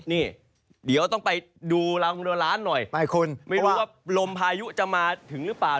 นี่เดี๋ยวต้องไปดูลางเรือล้านหน่อยคุณไม่รู้ว่าลมพายุจะมาถึงหรือเปล่า